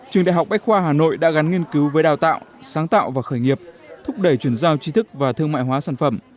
trường đại học bách khoa hà nội đã gắn nghiên cứu với đào tạo sáng tạo và khởi nghiệp thúc đẩy chuyển giao tri thức và thương mại hóa sản phẩm